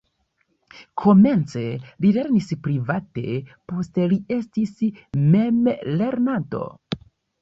Komence li lernis private, poste li estis memlernanto.